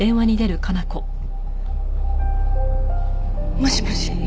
もしもし？